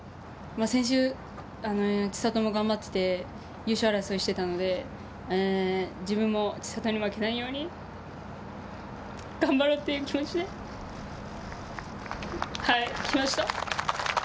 先週、千怜も頑張っていて、優勝争いをしていたので、自分も千怜に負けないように、頑張ろうという気持ちで来ました。